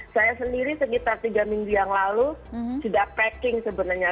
saya sendiri sekitar tiga minggu yang lalu sudah packing sebenarnya